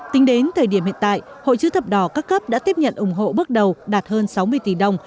tính đến thời điểm hiện tại hội chữ thập đỏ các cấp đã tiếp nhận ủng hộ bước đầu đạt hơn sáu mươi tỷ đồng